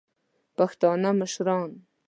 پښتانه مشران